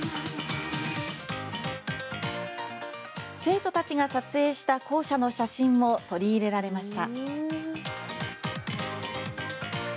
生徒たちが撮影した校舎の写真も取り入れられました。